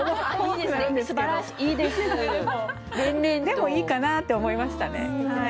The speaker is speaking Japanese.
でもいいかなと思いましたね。